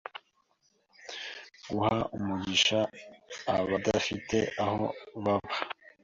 guha umugisha abadafite aho baba